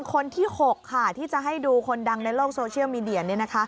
คนที่๖ค่ะที่จะให้ดูคนดังในโลกโซเชียลมีเดีย